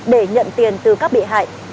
để nhận tiền từ các bị hại